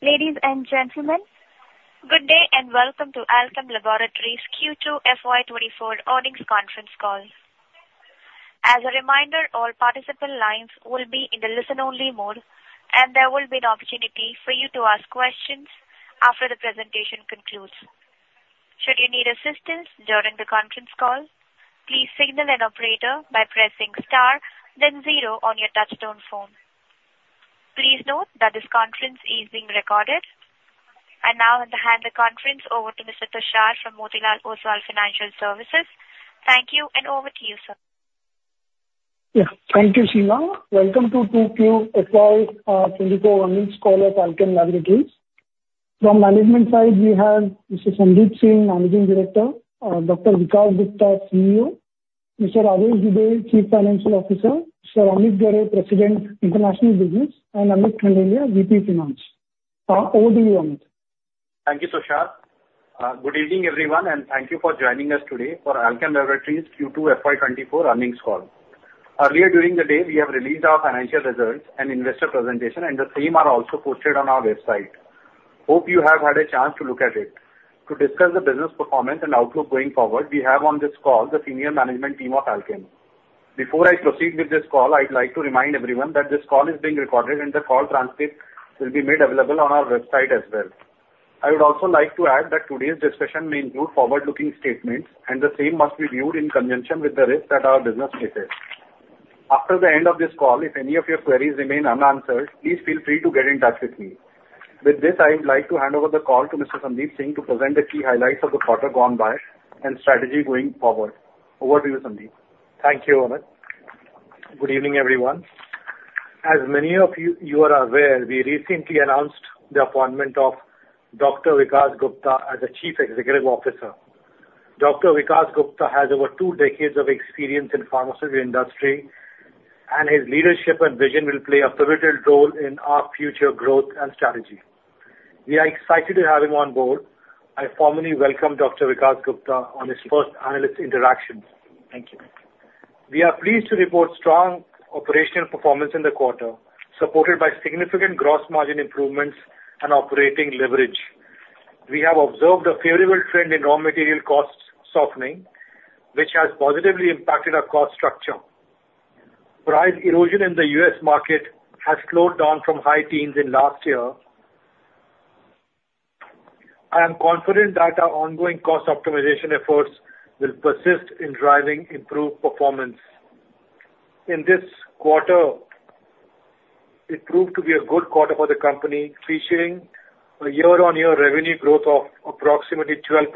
Ladies and gentlemen, good day, and welcome to Alkem Laboratories Q2 FY 2024 Earnings Conference Call. As a reminder, all participant lines will be in the listen-only mode, and there will be an opportunity for you to ask questions after the presentation concludes. Should you need assistance during the conference call, please signal an operator by pressing Star, then zero on your touchtone phone. Please note that this conference is being recorded. I now hand the conference over to Mr. Tushar from Motilal Oswal Financial Services. Thank you, and over to you, sir. Yeah. Thank you, Sheena. Welcome to Q2 FY 2024 earnings call at Alkem Laboratories. From management side, we have Mr. Sandeep Singh, Managing Director, Dr. Vikas Gupta, CEO, Mr. Rajesh Dubey, Chief Financial Officer, Mr. Amit Ghare, President, International Business, and Amit Khandelia, VP Finance. Over to you, Amit. Thank you, Tushar. Good evening, everyone, and thank you for joining us today for Alkem Laboratories Q2 FY 2024 earnings call. Earlier during the day, we have released our financial results and investor presentation, and the same are also posted on our website. Hope you have had a chance to look at it. To discuss the business performance and outlook going forward, we have on this call the senior management team of Alkem. Before I proceed with this call, I'd like to remind everyone that this call is being recorded, and the call transcript will be made available on our website as well. I would also like to add that today's discussion may include forward-looking statements, and the same must be viewed in conjunction with the risks that our business faces. After the end of this call, if any of your queries remain unanswered, please feel free to get in touch with me. With this, I'd like to hand over the call to Mr. Sandeep Singh to present the key highlights of the quarter gone by and strategy going forward. Over to you, Sandeep. Thank you, Amit. Good evening, everyone. As many of you are aware, we recently announced the appointment of Dr. Vikas Gupta as the Chief Executive Officer. Dr. Vikas Gupta has over two decades of experience in pharmaceutical industry, and his leadership and vision will play a pivotal role in our future growth and strategy. We are excited to have him on board. I formally welcome Dr. Vikas Gupta on his first analyst interaction. Thank you. We are pleased to report strong operational performance in the quarter, supported by significant gross margin improvements and operating leverage. We have observed a favorable trend in raw material costs softening, which has positively impacted our cost structure. Price erosion in the U.S. market has slowed down from high teens in last year. I am confident that our ongoing cost optimization efforts will persist in driving improved performance. In this quarter, it proved to be a good quarter for the company, featuring a year-on-year revenue growth of approximately 12%.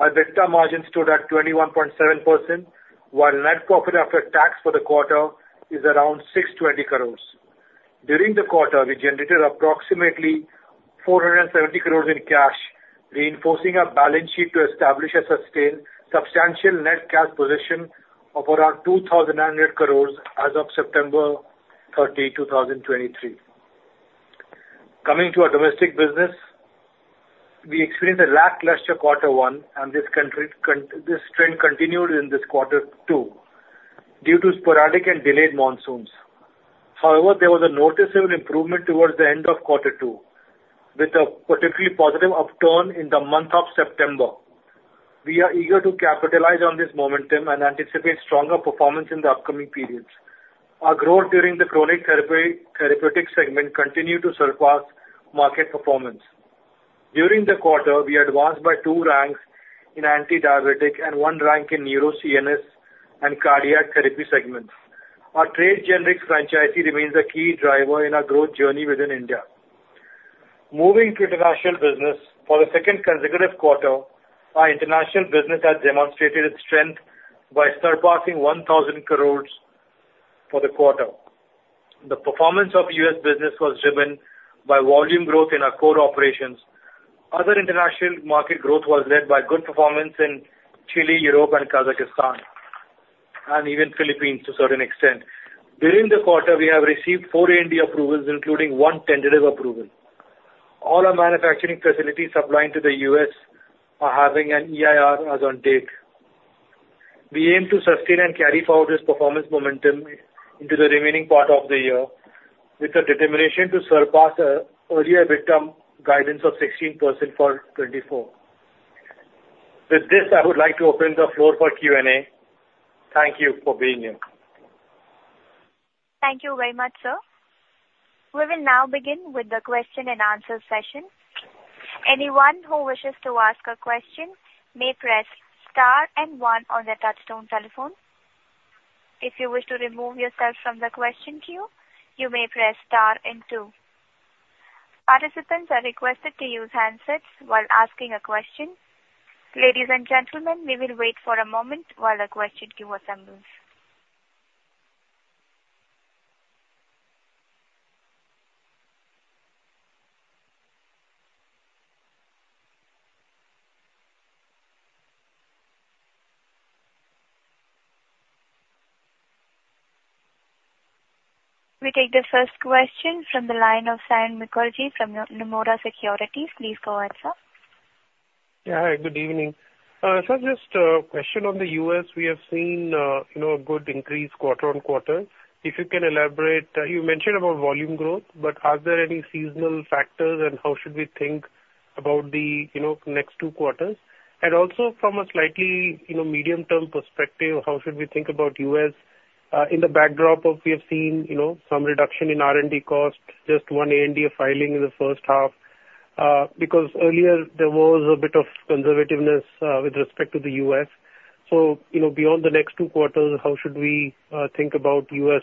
Our EBITDA margin stood at 21.7%, while net profit after tax for the quarter is around 620 crores. During the quarter, we generated approximately 470 crores in cash, reinforcing our balance sheet to establish a sustained substantial net cash position of around 2,900 crores as of September 30, 2023. Coming to our domestic business, we experienced a lackluster quarter one, and this trend continued in this quarter two due to sporadic and delayed monsoons. However, there was a noticeable improvement towards the end of quarter two, with a particularly positive upturn in the month of September. We are eager to capitalize on this momentum and anticipate stronger performance in the upcoming periods. Our growth during the chronic therapeutics segment continued to surpass market performance. During the quarter, we advanced by two ranks in antidiabetic and one rank in neuro CNS and cardiac therapy segments. Our trade generic franchise remains a key driver in our growth journey within India. Moving to international business, for the second consecutive quarter, our international business has demonstrated its strength by surpassing 1,000 crore for the quarter. The performance of U.S. business was driven by volume growth in our core operations. Other international market growth was led by good performance in Chile, Europe, and Kazakhstan, and even Philippines to a certain extent. During the quarter, we have received four ANDA approvals, including one tentative approval. All our manufacturing facilities supplying to the U.S. are having an EIR as on date. We aim to sustain and carry forward this performance momentum into the remaining part of the year with a determination to surpass our earlier EBITDA guidance of 16% for 2024. With this, I would like to open the floor for Q&A. Thank you for being here. Thank you very much, sir. We will now begin with the question and answer session. Anyone who wishes to ask a question may press Star and One on their touchtone telephone. If you wish to remove yourself from the question queue, you may press Star and two. Participants are requested to use handsets while asking a question. Ladies and gentlemen, we will wait for a moment while the question queue assembles. We take the first question from the line of Saion Mukherjee from Nomura Securities. Please go ahead, sir. Yeah. Hi, good evening. So just a question on the U.S. We have seen, you know, a good increase quarter-on-quarter. If you can elaborate, you mentioned about volume growth, but are there any seasonal factors and how should we think about the, you know, next two quarters? And also from a slightly, you know, medium-term perspective, how should we think about U.S., in the backdrop of we have seen, you know, some reduction in R&D costs, just one ANDA filing in the first half, because earlier there was a bit of conservativeness, with respect to the U.S. So, you know, beyond the next two quarters, how should we, think about US,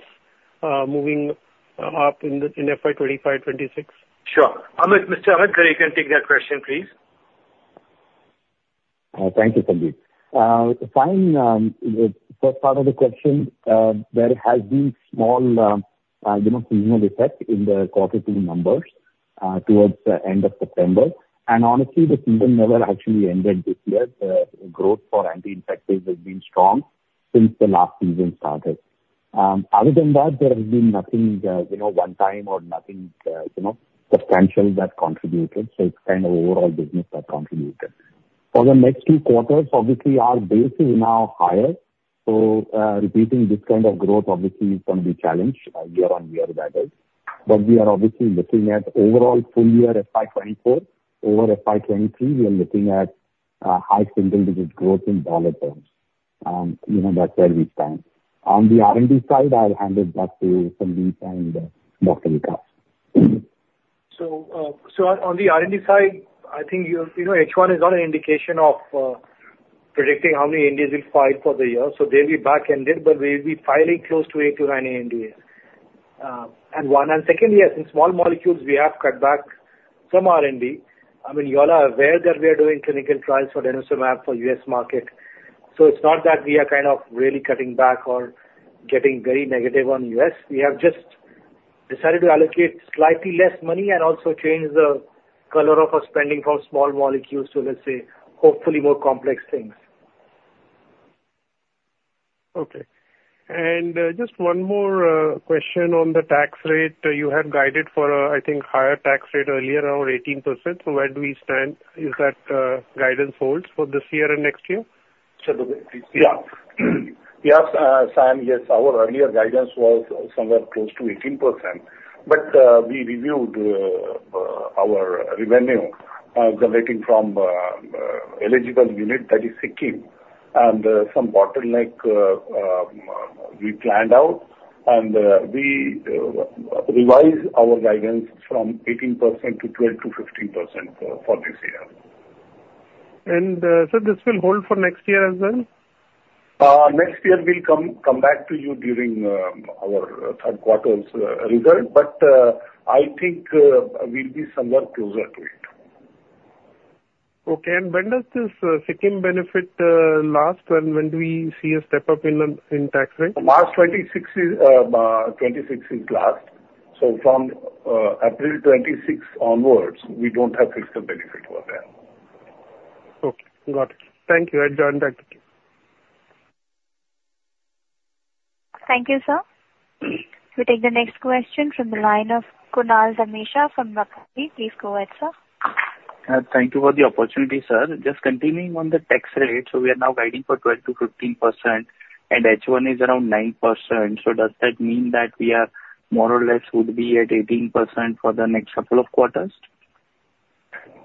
moving up in the, in FY 2025, 2026? Sure. Amit, Mr. Amit, you can take that question, please. Thank you, Sandeep. The first part of the question, there has been small, you know, seasonal effect in the quarter two numbers, towards the end of September. And honestly, the season never actually ended this year. The growth for anti-infectives has been strong since the last season started. Other than that, there has been nothing, you know, one time or nothing, you know, substantial that contributed, so it's kind of overall business that contributed. For the next two quarters, obviously, our base is now higher, so, repeating this kind of growth obviously is going to be a challenge, year-on-year, that is. But we are obviously looking at overall full year FY 2024. Over FY 2023, we are looking at a high single-digit growth in dollar terms, you know, that's where we stand. On the R&D side, I'll hand it back to Sandeep and Dr. Gupta. So, on the R&D side, I think you, you know, H1 is not an indication of predicting how many INDs we'll file for the year, so they'll be backended, but we'll be filing close to 89 ANDAs. And secondly, yes, in small molecules, we have cut back some R&D. I mean, you all are aware that we are doing clinical trials for Denosumab for U.S. market. So it's not that we are kind of really cutting back or getting very negative on U.S. We have just decided to allocate slightly less money and also change the color of our spending from small molecules to, let's say, hopefully more complex things. Okay. And just one more question on the tax rate. You had guided for, I think, higher tax rate earlier, around 18%. So where do we stand? If that guidance holds for this year and next year? Yes, Sam, yes, our earlier guidance was somewhere close to 18%, but we reviewed our revenue generating from eligible unit, that is Sikkim, and some bottleneck we planned out, and we revised our guidance from 18% to 12%-15% for this year. So, this will hold for next year as well? Next year we'll come back to you during our third quarter results, but I think we'll be somewhat closer to it. Okay. And when does this Sikkim benefit last and when do we see a step up in the tax rate? March 2026 is last. So from April 2026 onwards, we don't have fixed benefit over there. Okay, got it. Thank you. I done that. Thank you, sir. We take the next question from the line of Kunal Dhamesha from Macquarie. Please go ahead, sir. Thank you for the opportunity, sir. Just continuing on the tax rate, so we are now guiding for 12%-15%, and H1 is around 9%. So does that mean that we are more or less would be at 18% for the next couple of quarters?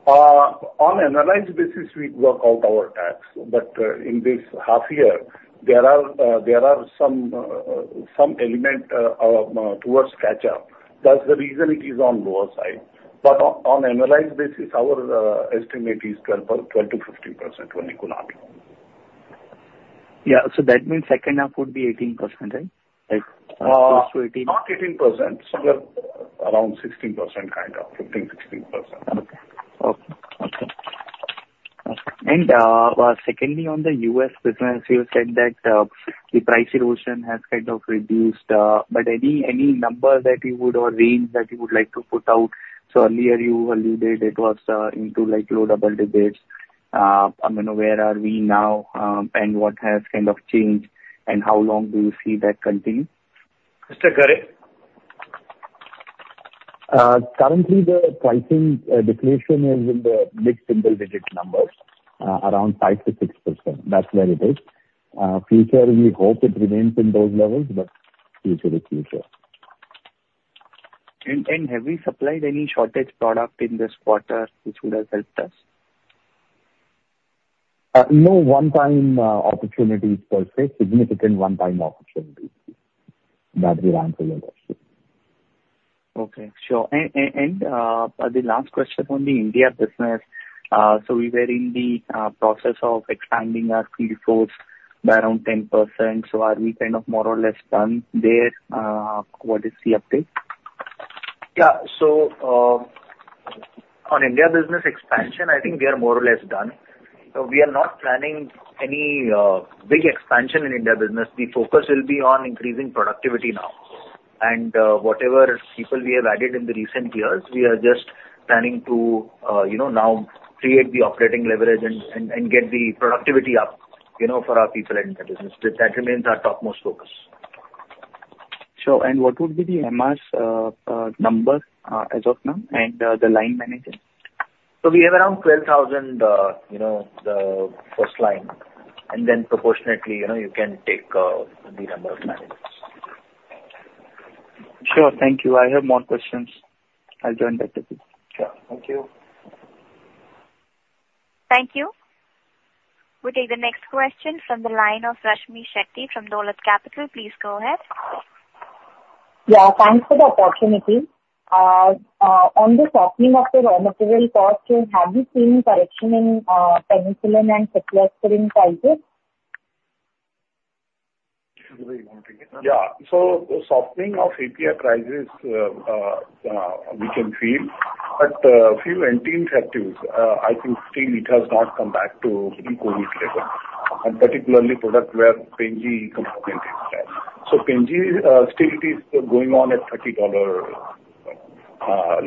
On an annualized basis, we work out our tax. But in this half year, there are some element towards catch-up. That's the reason it is on lower side. But on annualized basis, our estimate is 12%-15% when you go up. Yeah. So that means second half would be 18%, right? Like, close to 18%. Not 18%. So around 16%, kind of 15%-16%. Okay. Okay. And, secondly, on the U.S. business, you said that the price erosion has kind of reduced, but any number that you would, or range that you would like to put out? So earlier you alluded it was into like low double digits. I mean, where are we now, and what has kind of changed, and how long do you see that continue? Mr. Ghare? Currently, the pricing deflation is in the mid-single digit numbers, around 5%-6%. That's where it is. Future, we hope it remains in those levels, but future is future. Have we supplied any shortage product in this quarter which would have helped us? No one-time opportunities per se, significant one-time opportunities. That's the answer to your question. Okay. Sure. And the last question on the India business. So we were in the process of expanding our field force by around 10%. So are we kind of more or less done there? What is the update? Yeah. So, on India business expansion, I think we are more or less done. So we are not planning any big expansion in India business. The focus will be on increasing productivity now. And whatever people we have added in the recent years, we are just planning to, you know, now create the operating leverage and get the productivity up, you know, for our people in the business. That remains our topmost focus. Sure, and what would be the MRs number as of now and the line manager? We have around 12,000, you know, the first line, and then proportionately, you know, you can take the number of managers. Sure. Thank you. I have more questions. I'll join back with you. Sure. Thank you. Thank you. We'll take the next question from the line of Rashmi Shetty from Dolat Capital. Please go ahead. Yeah, thanks for the opportunity. On the softening of the raw material costs, have you seen correction in penicillin and cephalosporin prices? Yeah. So the softening of API prices, we can feel, but, few anti-infectives, I think still it has not come back to pre-COVID level, and particularly product where Pen G comes into play. So Pen G, still it is going on at $30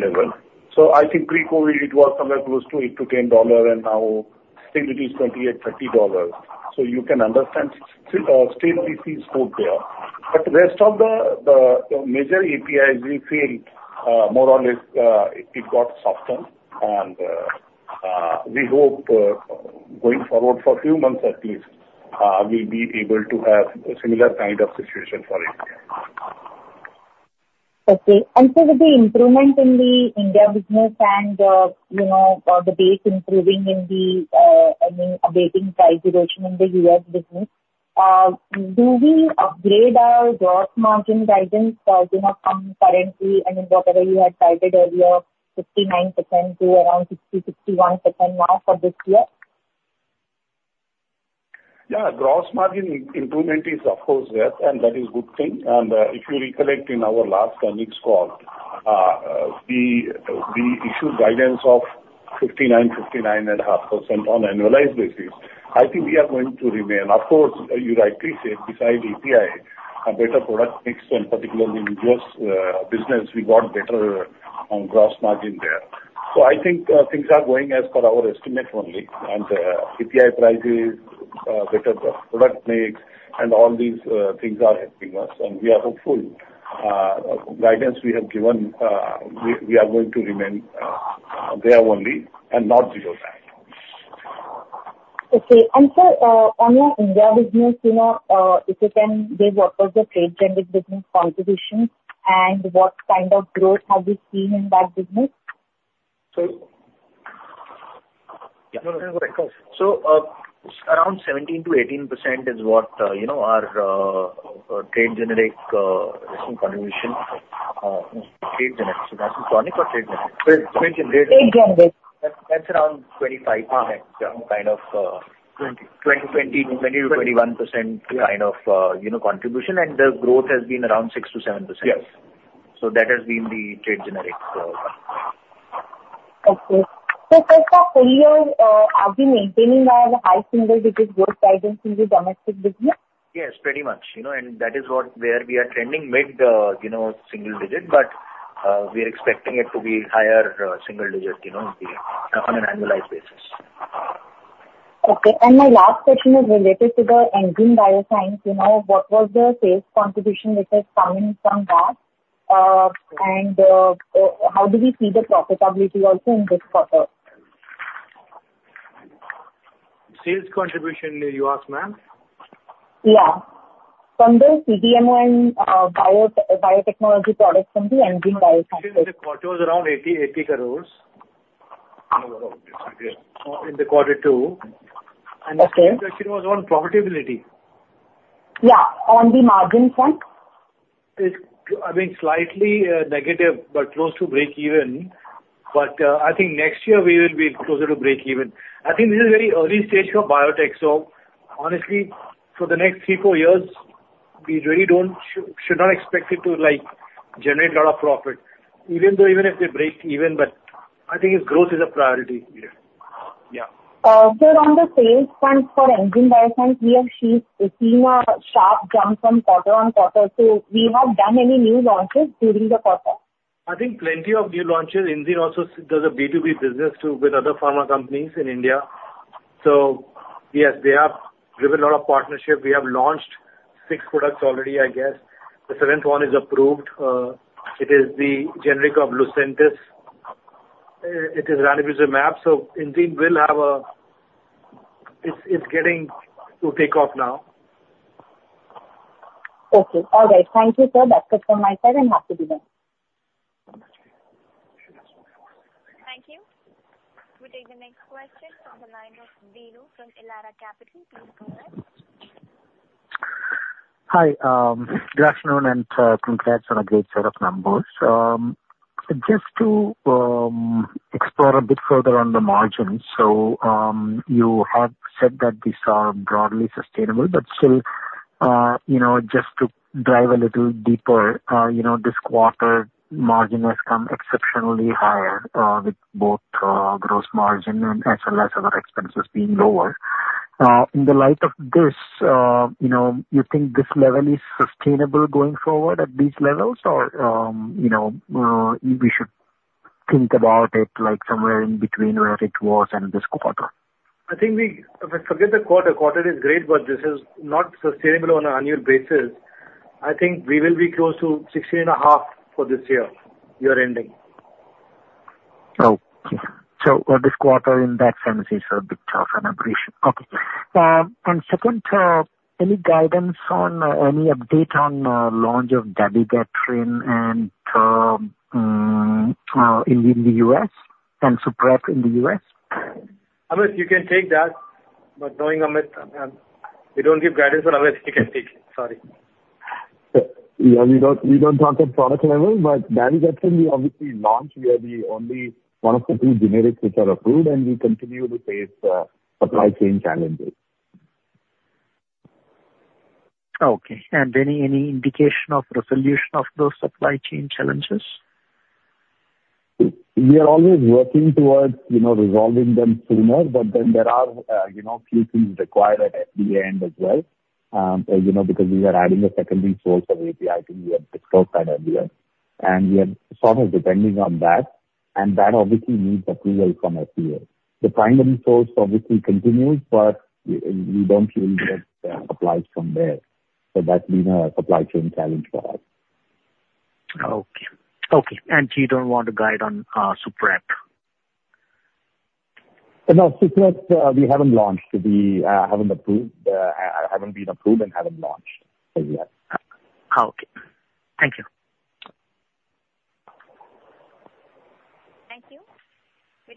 level. So I think pre-COVID it was somewhere close to $8-$10, and now I think it is $28-$30. So you can understand, still, still it is good there. But rest of the major APIs we feel, more or less, it got softened. And, we hope, going forward for a few months at least, we'll be able to have a similar kind of situation for API. Okay. And so with the improvement in the India business and, you know, the base improving in the, I mean, awaiting price situation in the U.S. business, do we upgrade our gross margin guidance, you know, from currently, I mean, whatever you had guided earlier, 59% to around 60%-61% now for this year? Yeah. Gross margin improvement is of course, yes, and that is good thing. And, if you recollect, in our last earnings call, we issued guidance of 59%-59.5% on annualized basis. I think we are going to remain. Of course, you rightly said, besides API, a better product mix, and particularly in U.S., business, we got better on gross margin there. So I think, things are going as per our estimate only. And, API prices, better product mix, and all these, things are helping us. And we are hopeful, guidance we have given, we are going to remain, there only and not below that. Okay. Sir, on your India business, you know, if you can give what was the trade generic business contribution, and what kind of growth have you seen in that business? Sorry. So, around 17%-18% is what, you know, our trade generic recent contribution. Trade generic. So that's chronic or trade generic? Trade, trade generic. Trade generic. That's, that's around 25%, yeah, kind of—20%-21% kind of, you know, contribution, and the growth has been around 6%-7%. Yes. So that has been the trade generic. Okay. First, are you maintaining our high single-digit growth guidance in the domestic business? Yes, pretty much. You know, and that is what—where we are trending with the, you know, single digit, but we are expecting it to be higher single digit, you know, the on an annualized basis. Okay. My last question is related to the Enzene Biosciences. You know, what was the sales contribution which has come in from that? How do we see the profitability also in this quarter? Sales contribution, you asked, ma'am? Yeah. From the CDMO and biotechnology products from the Enzene Biosciences. I think the quarter was around 88 crores. In the quarter two. Okay. Question was on profitability? Yeah, on the margin front. It's, I mean, slightly negative, but close to breakeven. But I think next year we will be closer to breakeven. I think this is very early stage for biotech, so honestly, for the next three-four years, we really should not expect it to, like, generate a lot of profit, even though, even if we break even. But I think its growth is a priority. Yeah. So on the sales front for Enzene Bioscience, we have seen sharp jump from quarter-on-quarter. So we have done any new launches during the quarter? I think plenty of new launches. Enzene also does a B2B business, too, with other pharma companies in India. So yes, they have given a lot of partnership. We have launched six products already, I guess. The seventh one is approved. It is the generic of Lucentis. It is Ranibizumab. So Enzene will have a-- It's, it's getting to take off now. Okay. All right. Thank you, sir. That's it from my side, and have a good day. Thank you. We take the next question from the line of Bino from Elara Capital. Please go ahead. Hi. Good afternoon, and congrats on a great set of numbers. Just to explore a bit further on the margins. So, you have said that these are broadly sustainable, but still, you know, just to dive a little deeper, you know, this quarter margin has come exceptionally higher, with both, gross margin and as well as other expenses being lower. In the light of this, you know, you think this level is sustainable going forward at these levels? Or, you know, we should think about it, like somewhere in between where it was and this quarter? I think we, if I forget the quarter, quarter is great, but this is not sustainable on an annual basis. I think we will be close to 16.5% for this year, year ending. Oh, so this quarter in that sense is a bit tough on margins. Okay. And second, any guidance on any update on launch of Dabigatran and in the U.S. and Suprep in the U.S.? Amit, you can take that, but knowing Amit, we don't give guidance, but Amit, you can take it. Sorry. Yeah, we don't, we don't talk at product level, but Dabigatran we obviously launched. We are the only one of the two generics which are approved, and we continue to face supply chain challenges. Okay. And any, any indication of resolution of those supply chain challenges? We are always working towards, you know, resolving them sooner, but then there are, you know, few things required at FDA end as well. You know, because we are adding a secondary source of API, I think we had discussed that earlier, and we are sort of depending on that, and that obviously needs approval from FDA. The primary source obviously continues, but we don't really get, supplies from there, so that's been a supply chain challenge for us. Okay, and you don't want to guide on, Suprep? No, Suprep, we haven't launched. We haven't been approved and haven't launched as yet. Okay. Thank you.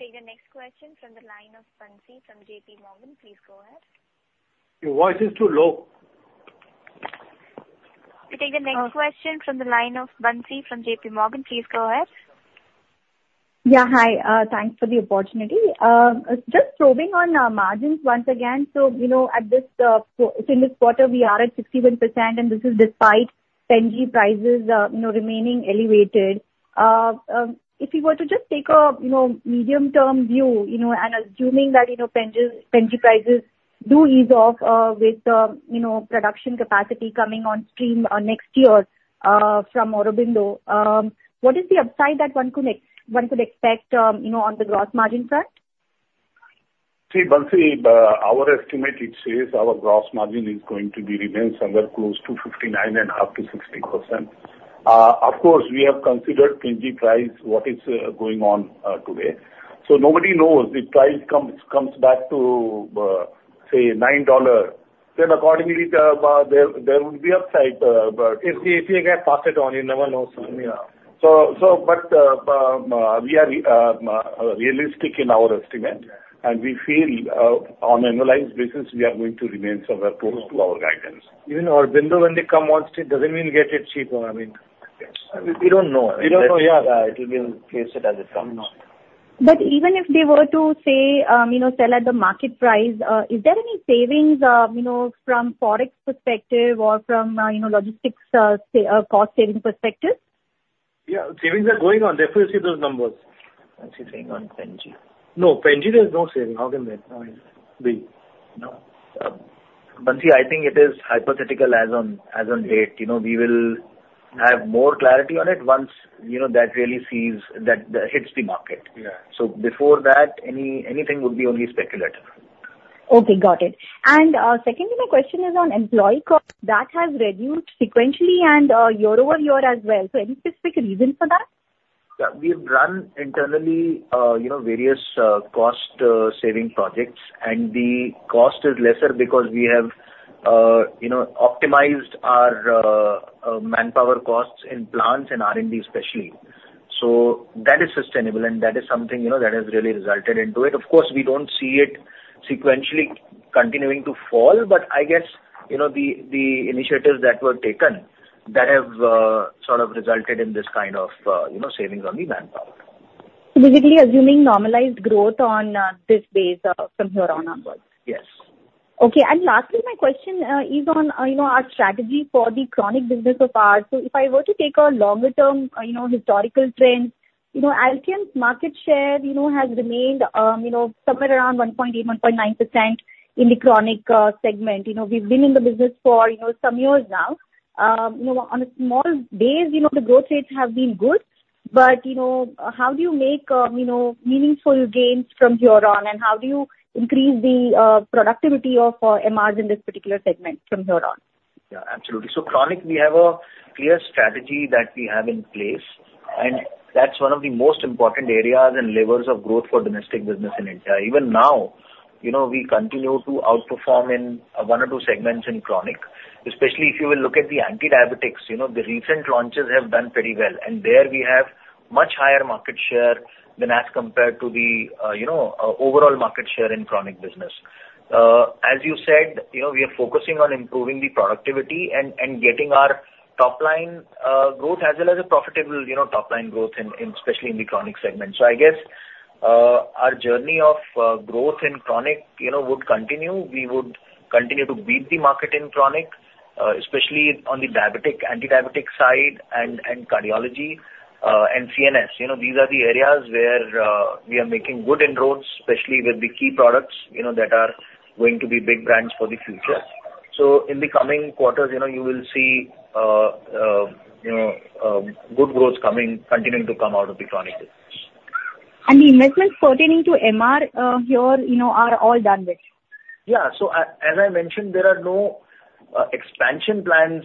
Thank you. We take the next question from the line of Bansi from J.P. Morgan. Please go ahead. Your voice is too low. We take the next question from the line of Bansi from J.P. Morgan. Please go ahead. Yeah, hi, thanks for the opportunity. Just probing on margins once again. So, you know, at this, so in this quarter, we are at 61%, and this is despite Pen G prices, you know, remaining elevated. If you were to just take a, you know, medium-term view, you know, and assuming that, you know, Pen G prices do ease off, with, you know, production capacity coming on stream, next year, from Aurobindo, what is the upside that one could expect, you know, on the gross margin front? See, Bansi, our estimate, it says our gross margin is going to be remains somewhere close to 59%-60%. Of course, we have considered Pen G price, what is going on today. So nobody knows if price comes, comes back to, say, $9, then accordingly, there, there will be upside, but-- If you get passed on, you never know, so. Yeah. So, but, we are realistic in our estimate, and we feel on an annualized basis, we are going to remain somewhere close to our guidance. Even Aurobindo, when they come on stream, doesn't mean get it cheaper. I mean-- We don't know. We don't know yet. We'll face it as it comes. But even if they were to say, you know, sell at the market price, is there any savings, you know, from forex perspective or from, you know, logistics, cost savings perspective? Yeah, savings are going on. Therefore, you see those numbers. What's she saying on Pen G? No, Pen G, there is no saving. How can there? No. Bansi, I think it is hypothetical as on date. You know, we will have more clarity on it once, you know, that hits the market. Before that, anything would be only speculative. Okay, got it. Secondly, my question is on employee cost. That has reduced sequentially and year over year as well. Any specific reason for that? Yeah, we've run internally, you know, various, cost saving projects, and the cost is lesser because we have, you know, optimized our, manpower costs in plants and R&D especially. So that is sustainable, and that is something, you know, that has really resulted into it. Of course, we don't see it sequentially continuing to fall, but I guess, you know, the, the initiatives that were taken, that have, sort of resulted in this kind of, you know, savings on the manpower. So basically, assuming normalized growth on this base from here on onwards? Yes. Okay. Lastly, my question is on, you know, our strategy for the chronic business of ours. So if I were to take a longer term, you know, historical trend, you know, Alkem market share, you know, has remained, you know, somewhere around 1.8%, 1.9% in the chronic segment. You know, we've been in the business for, you know, some years now. You know, on a small base, you know, the growth rates have been good, but, you know, how do you make, you know, meaningful gains from here on, and how do you increase the productivity of MR in this particular segment from here on? Yeah, absolutely. So chronic, we have a clear strategy that we have in place, and that's one of the most important areas and levers of growth for domestic business in India. Even now, you know, we continue to outperform in one or two segments in chronic, especially if you will look at the antidiabetics. You know, the recent launches have done pretty well, and there we have much higher market share than as compared to the overall market share in chronic business. As you said, you know, we are focusing on improving the productivity and getting our top line growth as well as a profitable top line growth in especially in the chronic segment. So I guess, our journey of growth in chronic, you know, would continue. We would continue to beat the market in chronic, especially on the diabetic, antidiabetic side and, and cardiology, and CNS. You know, these are the areas where we are making good inroads, especially with the key products, you know, that are going to be big brands for the future. So in the coming quarters, you know, you will see, you know, good growth coming, continuing to come out of the chronic disease. And the investments pertaining to MR, here, you know, are all done with? Yeah. So as I mentioned, there are no expansion plans,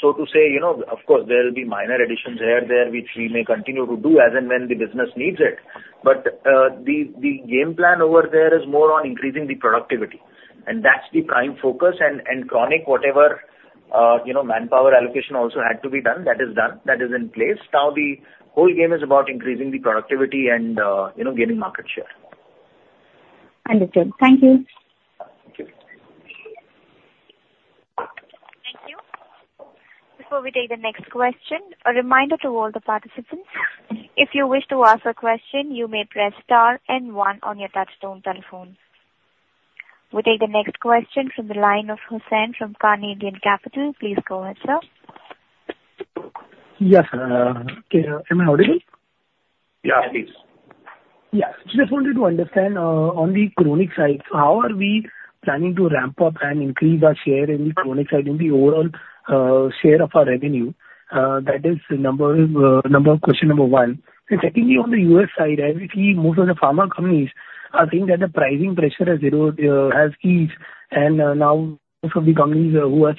so to say. You know, of course, there will be minor additions here and there, which we may continue to do as and when the business needs it. But the game plan over there is more on increasing the productivity, and that's the prime focus. And chronic, whatever, you know, manpower allocation also had to be done, that is done, that is in place. Now, the whole game is about increasing the productivity and, you know, gaining market share. Understood. Thank you. Thank you. Thank you. Before we take the next question, a reminder to all the participants. If you wish to ask a question, you may press star and one on your touchtone telephone. We take the next question from the line of Hussain from Carnelian Asset Advisors. Please go ahead, sir. Yes, am I audible? Yeah, please. Yeah. Just wanted to understand, on the chronic side, how are we planning to ramp up and increase our share in the chronic side, in the overall, share of our revenue? That is number, number, question number one. And secondly, on the U.S. side, as we see most of the pharma companies are saying that the pricing pressure has eroded, has eased, and, now most of the companies who has,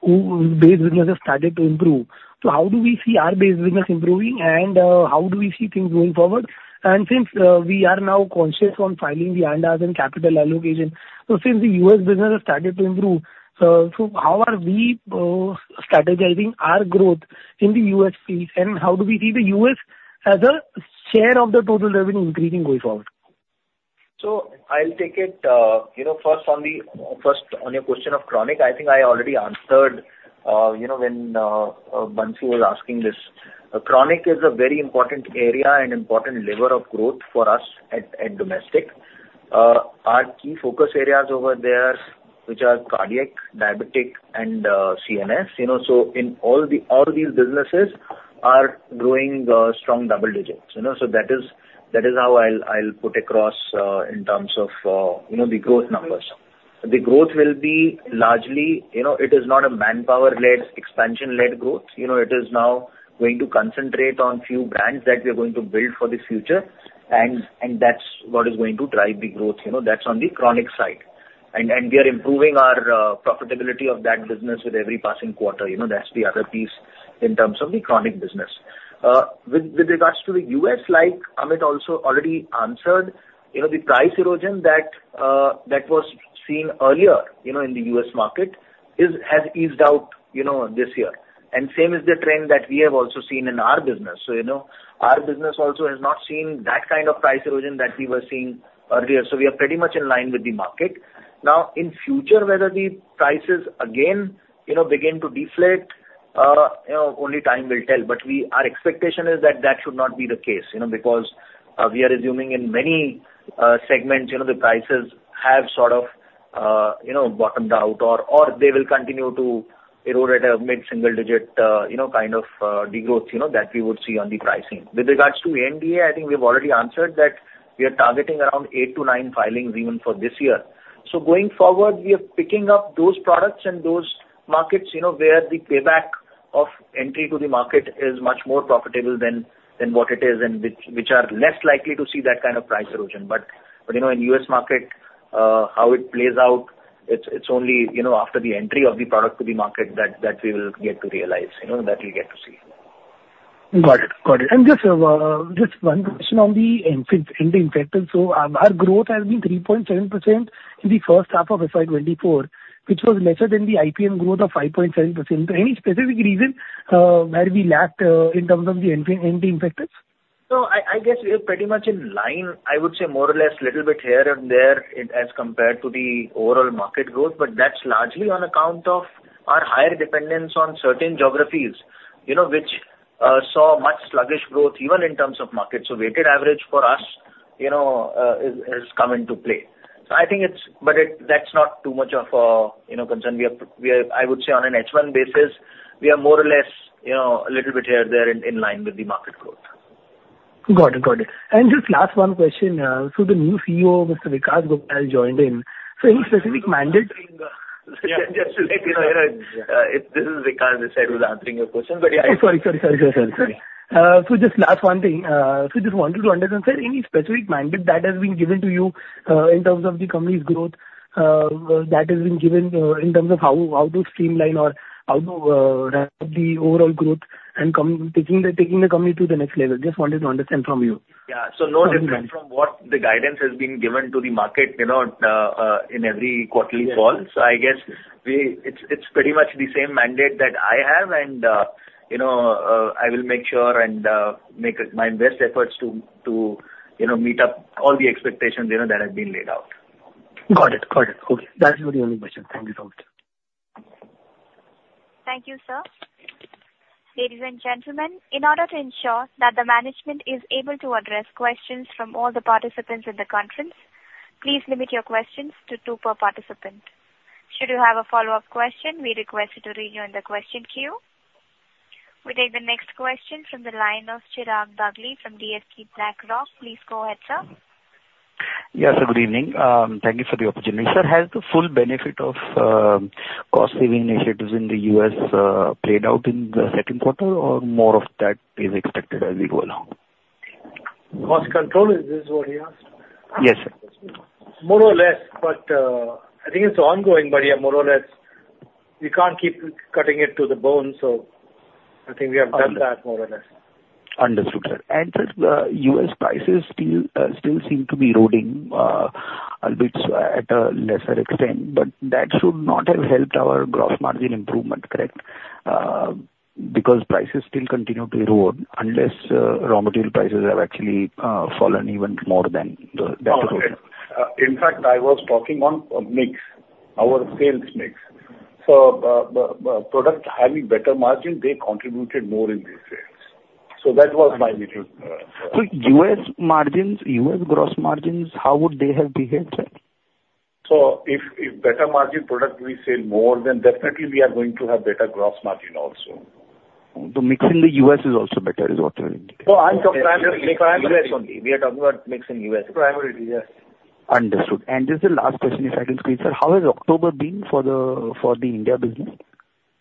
who base business has started to improve. So how do we see our base business improving, and, how do we see things moving forward? And since we are now conscious on filing the ANDAs and capital allocation, so since the U.S. business has started to improve, so how are we strategizing our growth in the U.S. space, and how do we see the U.S. as a share of the total revenue increasing going forward? So I'll take it. You know, first, on your question of chronic, I think I already answered, you know, when Bansi was asking this. Chronic is a very important area and important lever of growth for us at domestic. Our key focus areas over there, which are cardiac, diabetic and CNS, you know, so in all these businesses are growing strong double digits. You know, so that is how I'll put across in terms of, you know, the growth numbers. The growth will be largely. You know, it is not a manpower-led, expansion-led growth. You know, it is now going to concentrate on few brands that we are going to build for the future, and that's what is going to drive the growth, you know. That's on the chronic side. We are improving our profitability of that business with every passing quarter, you know, that's the other piece in terms of the chronic business. With regards to the U.S., like Amit also already answered, you know, the price erosion that was seen earlier, you know, in the U.S. market has eased out, you know, this year. And same is the trend that we have also seen in our business. So, you know, our business also has not seen that kind of price erosion that we were seeing earlier, so we are pretty much in line with the market. Now, in future, whether the prices again, you know, begin to deflate, you know, only time will tell. But our expectation is that that should not be the case, you know, because we are assuming in many segments, you know, the prices have sort of, you know, bottomed out, or, or they will continue to erode at a mid-single-digit, you know, kind of, degrowth, you know, that we would see on the pricing. With regards to NDA, I think we've already answered that we are targeting around eight-nine filings even for this year. So going forward, we are picking up those products and those markets, you know, where the payback of entry to the market is much more profitable than, than what it is, and which, which are less likely to see that kind of price erosion. But, you know, in U.S. market, how it plays out, it's only, you know, after the entry of the product to the market that we will get to realize, you know, that we'll get to see. Got it. Got it. And just, just one question on the anti-infectives. So our growth has been 3.7% in the first half of FY 2024, which was lesser than the IPM growth of 5.7%. So any specific reason, where we lacked, in terms of the anti-infectives? So I guess we are pretty much in line, I would say more or less, little bit here and there, as compared to the overall market growth. But that's largely on account of our higher dependence on certain geographies, you know, which saw much sluggish growth even in terms of market. So weighted average for us, you know, has come into play. So I think it's. But that's not too much of a, you know, concern. We are, I would say on an H1 basis, we are more or less, you know, a little bit here there, in line with the market growth. Got it. Got it. And just one last question, so the new CEO, Mr. Vikas Gupta, has joined in. So any specific mandate? Yeah. Just to let you know, this is Vikas this side who was answering your question, but yeah. Oh, sorry. So just one last thing. So just wanted to understand, sir, any specific mandate that has been given to you in terms of the company's growth, in terms of how to streamline or how to ramp up the overall growth and taking the company to the next level? Just wanted to understand from you. Yeah. So no different from what the guidance has been given to the market, you know, in every quarterly call. So I guess it's pretty much the same mandate that I have, and, you know, I will make sure and make my best efforts to, to, you know, meet up all the expectations, you know, that have been laid out. Got it. Okay. That was the only question. Thank you so much. Thank you, sir. Ladies and gentlemen, in order to ensure that the management is able to address questions from all the participants in the conference, please limit your questions to two per participant. Should you have a follow-up question, we request you to rejoin the question queue.... We take the next question from the line of Chirag Dagli from DSP Asset Managers. Please go ahead, sir. Yes, good evening. Thank you for the opportunity. Sir, has the full benefit of cost-saving initiatives in the U.S. played out in the second quarter, or more of that is expected as we go along? Cost control, is this what he asked? Yes, sir. More or less, but, I think it's ongoing, but yeah, more or less. We can't keep cutting it to the bone, so I think we have done that more or less. Understood, sir. And the U.S. prices still, still seem to be eroding, a bit at a lesser extent, but that should not have helped our gross margin improvement, correct? Because prices still continue to erode unless, raw material prices have actually, fallen even more than In fact, I was talking on a mix, our sales mix. So, product having better margin, they contributed more in the sales. So that was my little, U.S. margins, U.S. gross margins, how would they have behaved, sir? So if better margin product we sell more, then definitely we are going to have better gross margin also. The mix in the U.S. is also better, is what you're indicating. No, I'm talking primarily for U.S. only. We are talking about mix in U.S. Primarily, yes. Understood. And just the last question, if I could squeeze, sir. How has October been for the India business?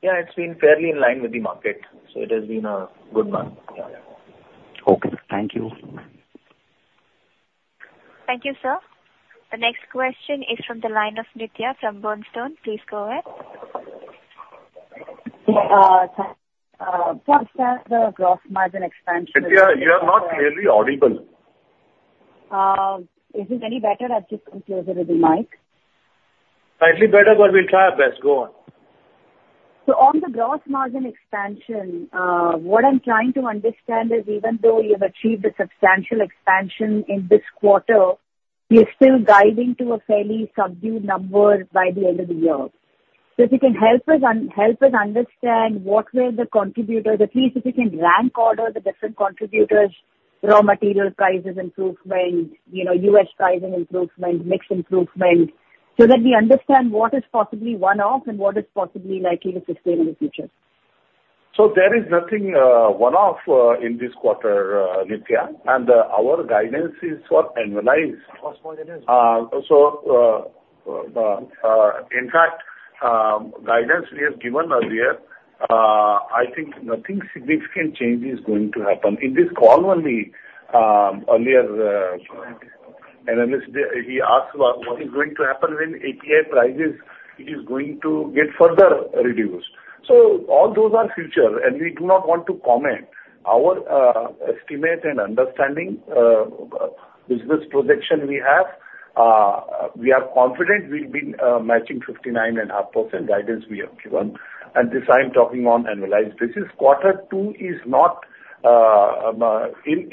Yeah, it's been fairly in line with the market, so it has been a good month. Yeah. Okay. Thank you. Thank you, sir. The next question is from the line of Nithya from Bernstein. Please go ahead. What's the gross margin expansion? Nithya, you are not clearly audible. Is it any better? I've just come closer to the mic. Slightly better, but we'll try our best. Go on. So on the gross margin expansion, what I'm trying to understand is, even though you've achieved a substantial expansion in this quarter, you're still guiding to a fairly subdued number by the end of the year. So if you can help us understand what were the contributors, at least if you can rank order the different contributors, raw material prices improvement, you know, U.S. pricing improvements, mix improvement, so that we understand what is possibly one-off and what is possibly likely to sustain in the future. So there is nothing one-off in this quarter, Nithya, and our guidance is for annualized. Cost margin, yes. So, in fact, guidance we have given earlier, I think nothing significant change is going to happen. In this call only, earlier, analyst, he asked about what is going to happen when API prices, it is going to get further reduced. So all those are future, and we do not want to comment. Our estimate and understanding, business projection we have, we are confident we'll be matching 59.5% guidance we have given, and this I'm talking on annualized basis. Q2 is not,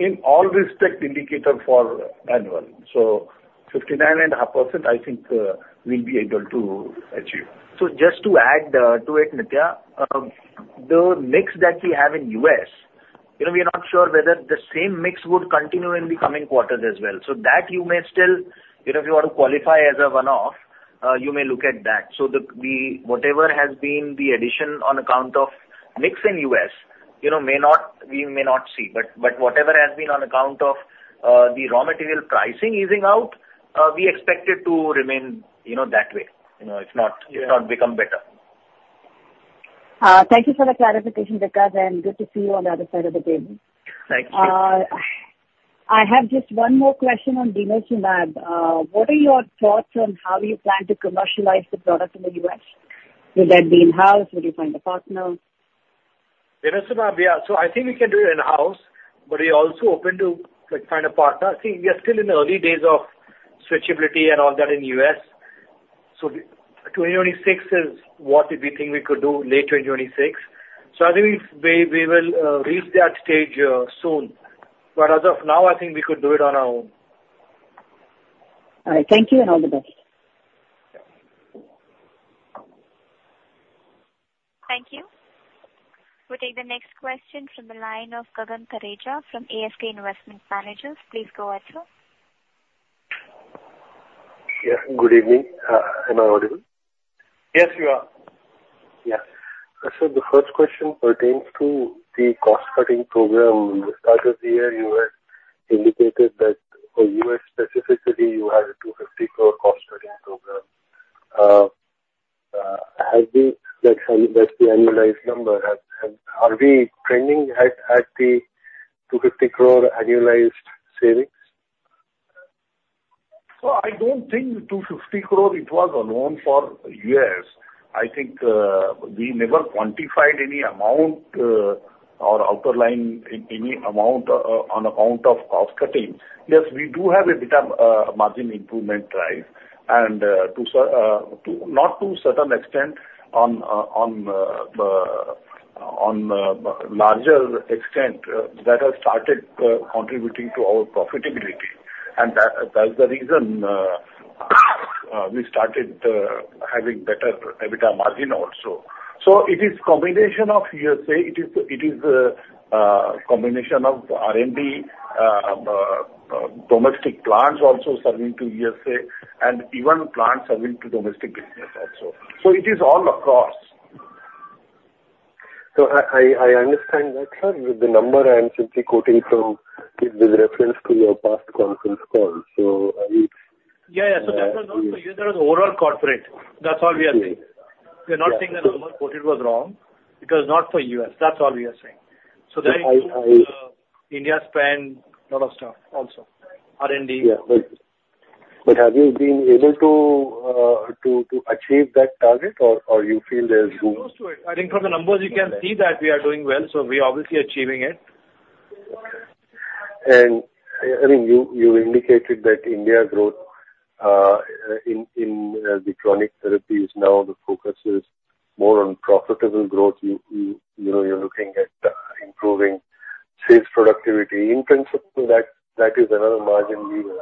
in all respect, indicator for annual. So 59.5%, I think, we'll be able to achieve. So just to add, to it, Nithya, the mix that we have in U.S., you know, we are not sure whether the same mix would continue in the coming quarters as well. So that you may still, you know, if you want to qualify as a one-off, you may look at that. So the, whatever has been the addition on account of mix in U.S., you know, may not, we may not see. But whatever has been on account of, the raw material pricing easing out, we expect it to remain, you know, that way. You know, if not, if not become better. Thank you for the clarification, Vikas, and good to see you on the other side of the table. Thank you. I have just one more question on Denosumab. What are your thoughts on how you plan to commercialize the product in the U.S.? Will that be in-house? Will you find a partner? Denosumab, yeah. So I think we can do it in-house, but we're also open to, like, find a partner. See, we are still in the early days of switchability and all that in U.S. So 2026 is what we think we could do, late 2026. So I think we will reach that stage soon. But as of now, I think we could do it on our own. All right. Thank you, and all the best. Thank you. We'll take the next question from the line of Gagan Thareja from ASK Investment Managers. Please go ahead, sir. Yes, good evening. Am I audible? Yes, you are. Yeah. So the first question pertains to the cost-cutting program. In the start of the year, you had indicated that for U.S. specifically, you had a 250 crore cost-cutting program. Has the, like, that's the annualized number. Are we trending at the 250 crore annualized savings? So I don't think 250 crore, it was alone for U.S. I think, we never quantified any amount, or outlined any amount, on account of cost cutting. Yes, we do have a bit of margin improvement drive, and, to a certain extent, on a larger extent, that has started contributing to our profitability. And that, that's the reason, we started having better EBITDA margin also. So it is combination of USA, it is, it is, combination of R&D. Domestic plants also serving to USA and even plants serving to domestic business also. So it is all across. So I understand that, sir, with the number I'm simply quoting from it with reference to your past conference call. So I-- Yeah, yeah. So that was also, there was overall corporate. That's all we are saying. Okay. We are not saying the number quoted was wrong, because not for U.S. That's all we are saying. That includes India spend a lot of stuff also, R&D. Yeah, but have you been able to achieve that target, or you feel there's room? Close to it. I think from the numbers you can see that we are doing well, so we are obviously achieving it. And I mean, you indicated that India growth in the chronic therapy is now the focus is more on profitable growth. You know, you're looking at improving sales productivity. In principle, that is another margin lever.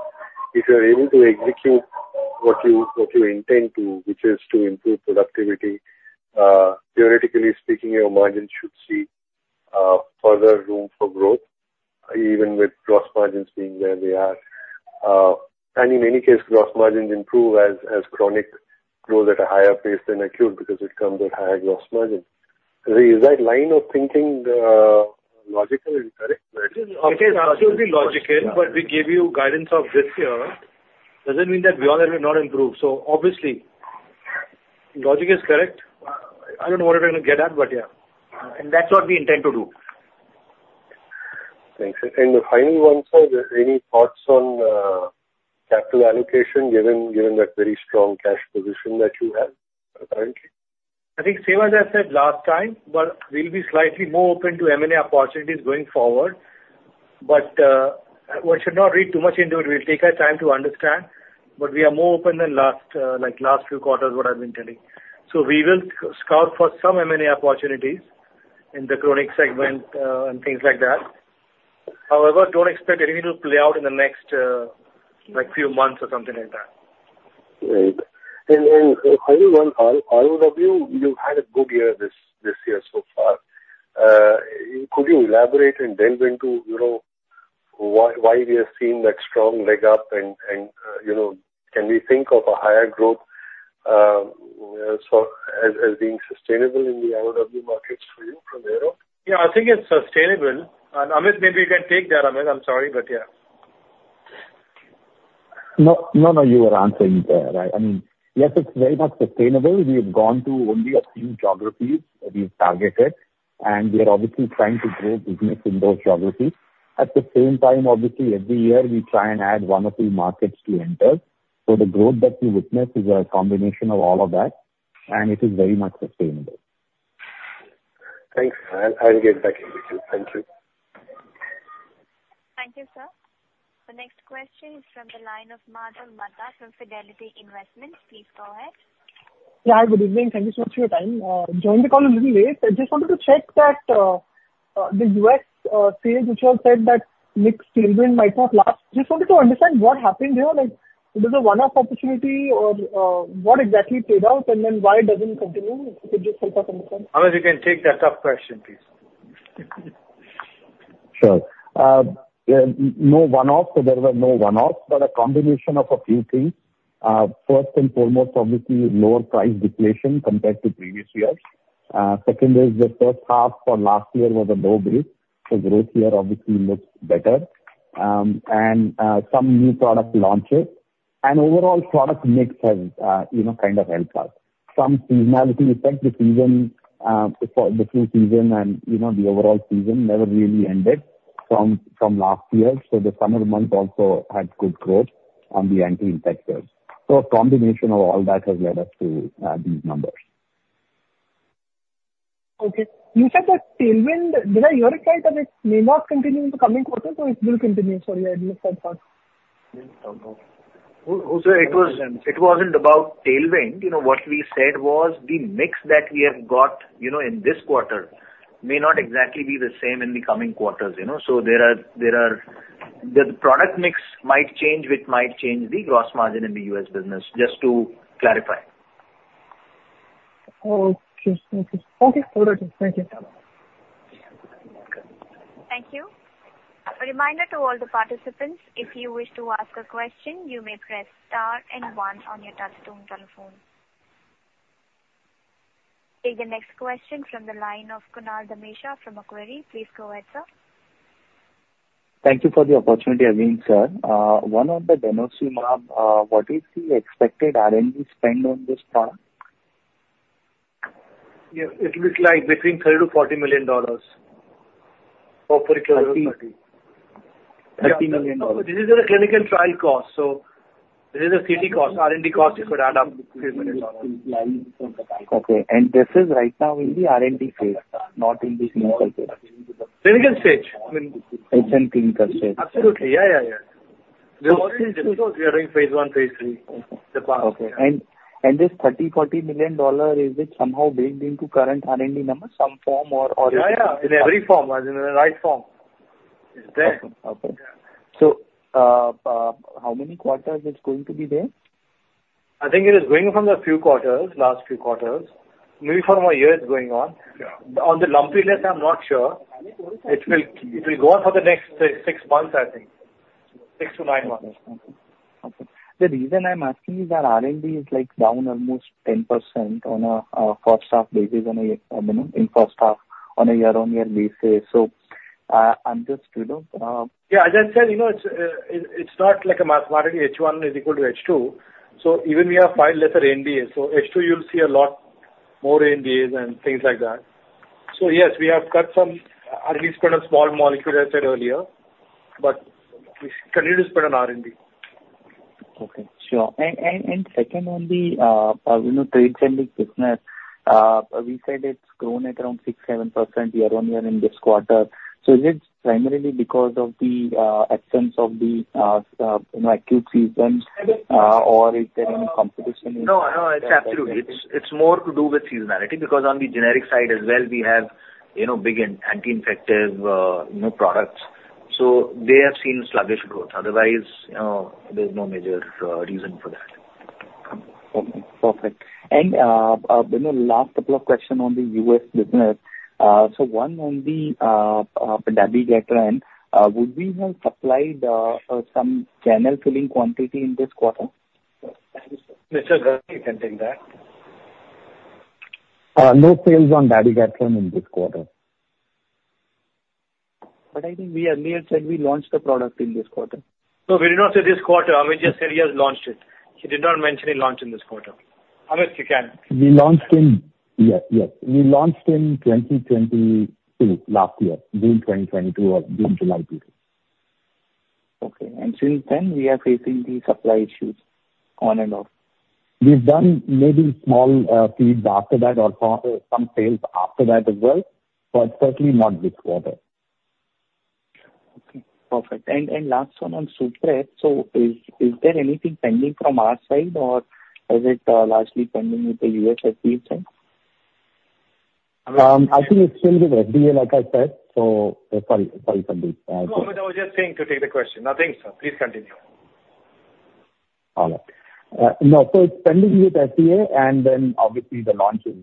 If you are able to execute what you intend to, which is to improve productivity, theoretically speaking, your margin should see further room for growth, even with gross margins being where they are. And in any case, gross margins improve as chronic grows at a higher pace than acute because it comes with higher gross margin. Is that line of thinking logical and correct? It is absolutely logical, but we gave you guidance of this year. Doesn't mean that we all have not improved. So obviously, logic is correct. I don't know what we're gonna get at, but yeah. And that's what we intend to do. Thanks. The final one, sir, any thoughts on capital allocation, given that very strong cash position that you have currently? I think same as I said last time, but we'll be slightly more open to M&A opportunities going forward. But, one should not read too much into it. We'll take our time to understand, but we are more open than last, like, last few quarters, what I've been telling. So we will scout for some M&A opportunities in the chronic segment, and things like that. However, don't expect anything to play out in the next, like, few months or something like that. Right. And one, ROW, you've had a good year this year so far. Could you elaborate and delve into, you know, why we are seeing that strong leg up? And, you know, can we think of a higher growth, so as being sustainable in the ROW markets for you from there on? Yeah, I think it's sustainable. Amit, maybe you can take that, Amit. I'm sorry, but yeah. No, no, no, you were answering there, right? I mean, yes, it's very much sustainable. We have gone to only a few geographies that we've targeted, and we are obviously trying to grow business in those geographies. At the same time, obviously, every year we try and add one or two markets to enter. So the growth that we witness is a combination of all of that, and it is very much sustainable. Thanks. I'll get back in with you. Thank you. Thank you, sir. The next question is from the line of Madhav Marda from Fidelity Investments. Please go ahead. Yeah, good evening. Thank you so much for your time. Joined the call a little late. I just wanted to check that the U.S. sales, which you have said that mix tailwind might not last. Just wanted to understand what happened here. Like, it is a one-off opportunity or what exactly played out, and then why it doesn't continue. Could you help us understand? Amit, you can take that tough question, please. Sure. No one-off, so there were no one-offs, but a combination of a few things. First and foremost, obviously, lower price deflation compared to previous years. Second is the first half for last year was a low base, so growth here obviously looks better. And some new product launches and overall product mix has, you know, kind of helped us. Some seasonality effect, the season for the flu season and, you know, the overall season never really ended from last year, so the summer months also had good growth on the anti-infectives. So a combination of all that has led us to these numbers. Okay. You said that tailwind, did I hear it right, that it may not continue in the coming quarter, so it will continue? Sorry, I missed that part. So it was. It wasn't about tailwind. You know, what we said was the mix that we have got, you know, in this quarter may not exactly be the same in the coming quarters, you know? So there are-- The product mix might change, which might change the gross margin in the U.S. business, just to clarify. Okay. Thank you. Okay, all right. Thank you. Thank you. A reminder to all the participants, if you wish to ask a question, you may press star and one on your touchtone telephone. Take the next question from the line of Kunal Dhamesha from Macquarie. Please go ahead, sir. Thank you for the opportunity, everyone, sir. One on the Denosumab, what is the expected R&D spend on this product? Yeah, it'll be like between $30 million-$40 million for particular party. $30 million. This is a clinical trial cost, so this is a CT cost. R&D cost you could add up few million dollars. Okay, and this is right now in the R&D phase, not in the clinical phase? Clinical stage, I mean. It's in clinical stage. Absolutely. Yeah, yeah, yeah. Okay. We are doing phase I, phase III. Okay. And, and this $30 million-$40 million, is it somehow baked into current R&D numbers, some form or-- Yeah, yeah, in every form, as in the right form. It's there. How many quarters it's going to be there? I think it is going from the few quarters, last few quarters, maybe for more years going on. On the lumpiness, I'm not sure. It will, it will go on for the next six months, I think. six-nine months. Okay. The reason I'm asking is that R&D is, like, down almost 10% on a first half basis on a, you know, in first half on a year-on-year basis. So, I'm just, you know-- Yeah, as I said, you know, it's not like a mathematically H1 is equal to H2, so even we have five lesser R&D. So H2, you'll see a lot more R&Ds and things like that. So yes, we have cut some, at least on a small molecule, I said earlier, but we continue to spend on R&D. Okay, sure. And second, on the, you know, trade-friendly business, we said it's grown at around 6%-7% year-on-year in this quarter. So is it primarily because of the, you know, acute season, or is there any competition? No, no, it's absolute. It's more to do with seasonality because on the generic side as well, we have, you know, big in, infective, you know, products. So they have seen sluggish growth. Otherwise, there's no major reason for that. Okay, perfect. You know, last couple of question on the U.S. business. So one on the Dabigatran. Would we have supplied some generic filing quantity in this quarter? Mr. Ghare, you can take that. No sales on Dabigatran in this quarter. I think we earlier said we launched the product in this quarter. No, we did not say this quarter. Amit just said he has launched it. He did not mention a launch in this quarter. Amit, you can. Yes, yes, we launched in 2022, last year. June 2022 or June, July 2022. Okay. And till then, we are facing the supply issues on and off. We've done maybe small feeds after that or some sales after that as well, but certainly not this quarter. Okay, perfect. Last one on Suprep. Is there anything pending from our side, or is it largely pending with the U.S. FDA side? I think it's still with FDA, like I said. So, sorry, sorry, Sandeep. No, Amit, I was just saying to take the question. Nothing, sir. Please continue. All right. No, so it's pending with FDA, and then obviously the launch is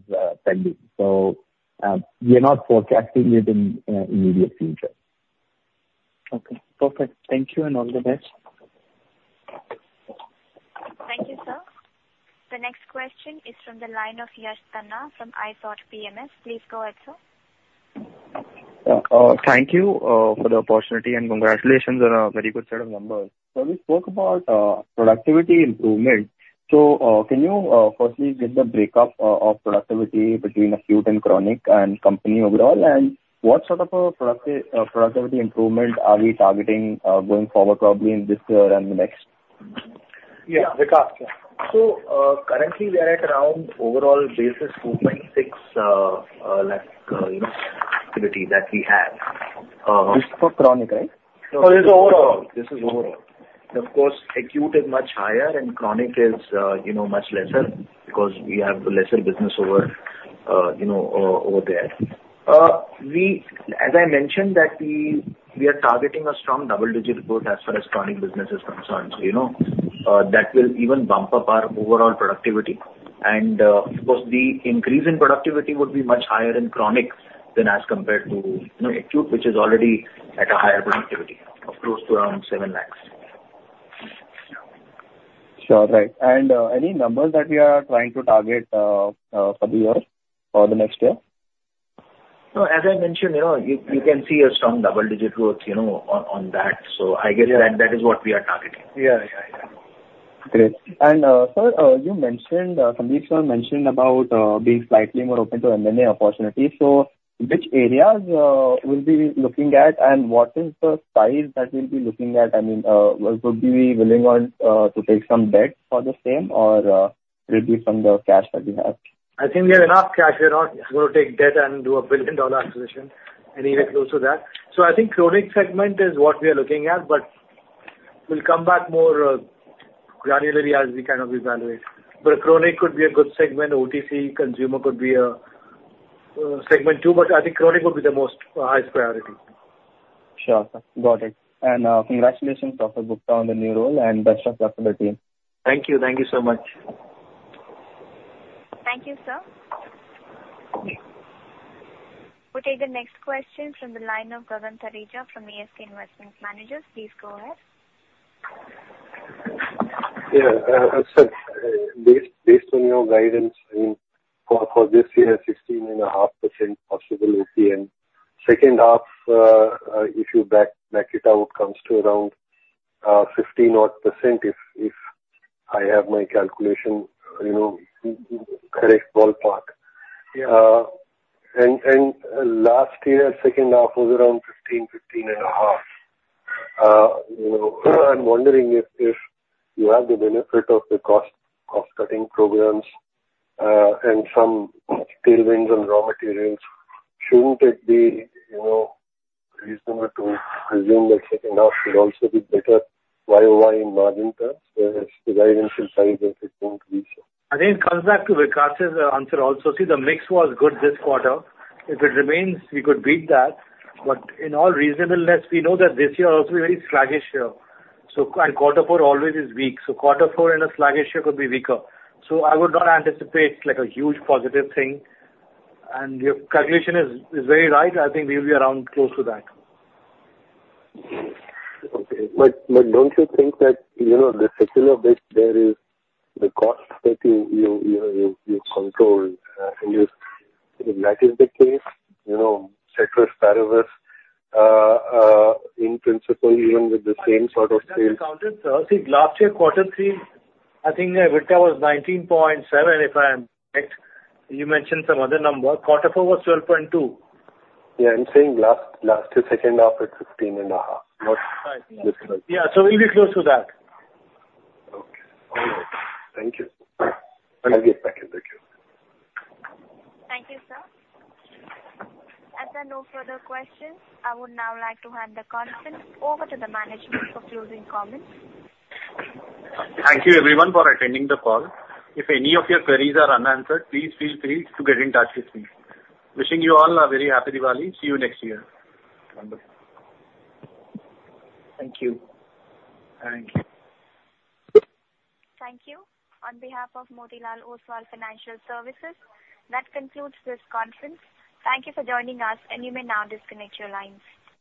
pending. So, we are not forecasting it in immediate future. Okay, perfect. Thank you and all the best. Thank you, sir. The next question is from the line of Yash Tanna from ithoughtPMS. Please go ahead, sir. Thank you for the opportunity, and congratulations on a very good set of numbers. So you spoke about productivity improvement. So, can you firstly give the breakup of productivity between acute and chronic and company overall, and what sort of a productivity improvement are we targeting, going forward, probably in this year and the next? Yeah, Vikas. Currently, we are at around overall basis, open six, like, activity that we have, This is for chronic, right? No, this is overall. This is overall. Of course, acute is much higher and chronic is, you know, much lesser because we have lesser business over, you know, over there. We, as I mentioned, that we are targeting a strong double-digit growth as far as chronic business is concerned. So, you know, that will even bump up our overall productivity. And, of course, the increase in productivity would be much higher in chronic than as compared to, you know, acute, which is already at a higher productivity of close to around 7 lakhs. Sure, right. And, any numbers that we are trying to target, for the year or the next year? So, as I mentioned, you know, you can see a strong double-digit growth, you know, on that. So I guess that is what we are targeting. Yeah, yeah. Great. And, sir, you mentioned, Sandeep sir mentioned about, being slightly more open to M&A opportunities. So which areas, we'll be looking at, and what is the size that we'll be looking at? I mean, would we be willing on, to take some debt for the same or, will it be from the cash that we have? I think we have enough cash. We're not going to take debt and do a billion-dollar acquisition, anywhere close to that. So I think chronic segment is what we are looking at, but we'll come back more, granularly as we kind of evaluate. But chronic could be a good segment. OTC, consumer could be a segment too, but I think chronic would be the most highest priority. Sure, sir. Got it. Congratulations, Dr. Gupta, on the new role, and best of luck to the team. Thank you. Thank you so much. Thank you, sir. We'll take the next question from the line of Gagan Thareja from ASK Investment Managers. Please go ahead. Yeah, so based on your guidance, I mean, for this year, 16.5% possible in the second half, if you back it out, comes to around 15%-odd, if I have my calculation, you know, correct ballpark. Last year, second half was around 15%-15.5%. You know, I'm wondering if you have the benefit of the cost-cutting programs, and some tailwinds and raw materials, shouldn't it be, you know, reasonable to assume that second half should also be better year-over-year in margin terms, where the guidance is saying that it won't be so? I think it comes back to Vikas' answer also. See, the mix was good this quarter. If it remains, we could beat that. But in all reasonableness, we know that this year also a very sluggish year, so-- And quarter four always is weak. So quarter four in a sluggish year could be weaker. So I would not anticipate, like, a huge positive thing. And your calculation is very right. I think we'll be around close to that. Okay. But don't you think that, you know, the secular base there is the cost that you control, and if that is the case, you know, ceteris paribus, in principle, even with the same sort of sales-- That's counted, sir. See, last year, quarter three, I think Vikas was 19.7%, if I am right. You mentioned some other number. Quarter four was 12.2%. Yeah, I'm saying last second half it's 15.5%, not this one. Yeah, so we'll be close to that. Okay. All right. Thank you. I'll get back if required. Thank you, sir. As there are no further questions, I would now like to hand the conference over to the management for closing comments. Thank you everyone for attending the call. If any of your queries are unanswered, please feel free to get in touch with me. Wishing you all a very Happy Diwali. See you next year. Thank you. Thank you. Thank you. On behalf of Motilal Oswal Financial Services, that concludes this conference. Thank you for joining us, and you may now disconnect your lines.